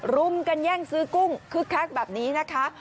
รุมกันแย่งซื้อกุ้งคึกคักแบบนี้นะคะ